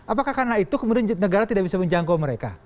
apakah karena itu kemudian negara tidak bisa menjangkau mereka